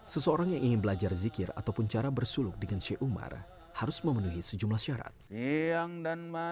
jemaah yang datang secara khusus ingin memperdalam ilmu agama